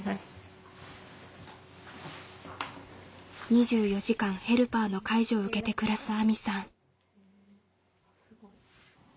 ２４時間ヘルパーの介助を受けて暮らすあみさん。